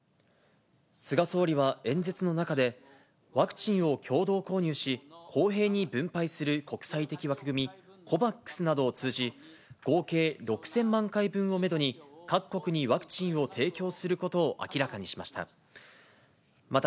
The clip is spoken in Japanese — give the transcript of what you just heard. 菅総理は演説の中で、ワクチンを共同購入し、公平に分配する国際的枠組み、ＣＯＶＡＸなどを通じ、合計６０００万回分をメドに、各国にワクチンを提供することを明らかにしました。